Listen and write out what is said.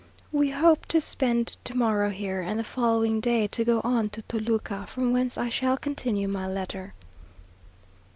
We hope to spend to morrow here, and the following day to go on to Toluca, from whence I shall continue my letter.